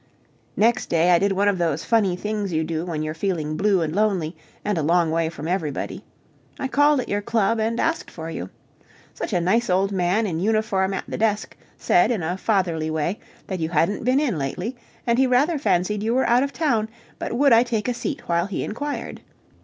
Next day, I did one of those funny things you do when you're feeling blue and lonely and a long way away from everybody. I called at your club and asked for you! Such a nice old man in uniform at the desk said in a fatherly way that you hadn't been in lately, and he rather fancied you were out of town, but would I take a seat while he inquired.